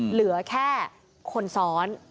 เหลือแค่คนซ้อน